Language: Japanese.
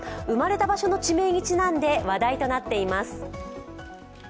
生まれた場所の地名にちなんで話題となっています。